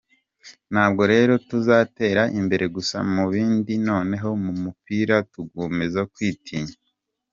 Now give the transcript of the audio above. Ntabwo rero tuzatera imbere gusa mu bindi noneho mu mupira tugakomeza kwitinya.